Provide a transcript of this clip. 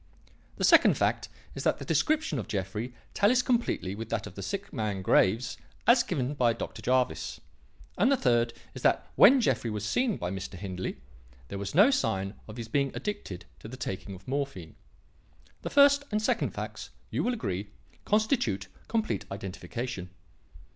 The second fact is that the description of Jeffrey tallies completely with that of the sick man, Graves, as given by Dr. Jervis; and the third is that when Jeffrey was seen by Mr. Hindley, there was no sign of his being addicted to the taking of morphine. The first and second facts, you will agree, constitute complete identification."